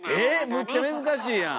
むっちゃ難しいやん！